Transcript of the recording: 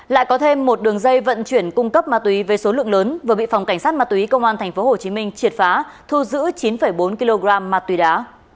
lại có thêm một đường dây vận chuyển cung cấp ma túy với số lượng lớn vừa bị phòng cảnh sát ma túy công an tp hcm triệt phá thu giữ chín bốn kg ma túy đá